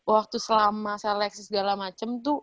waktu selama seleksi segala macem tuh